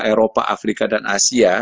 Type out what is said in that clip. eropa afrika dan asia